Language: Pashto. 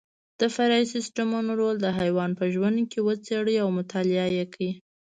د فرعي سیسټمونو رول د حیوان په ژوند کې وڅېړئ او مطالعه یې کړئ.